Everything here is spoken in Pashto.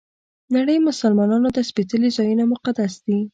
نړۍ مسلمانانو ته سپېڅلي ځایونه مقدس دي.